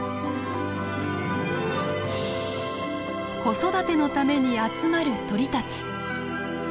子育てのために集まる鳥たち。